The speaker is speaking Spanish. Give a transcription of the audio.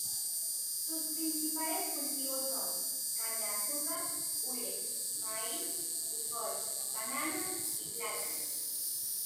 Sus principales cultivos son: caña de azúcar, hule, maíz, frijol, banano y plátano.